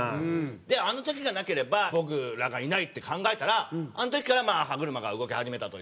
であの時がなければ僕らがいないって考えたらあの時からまあ歯車が動き始めたというか。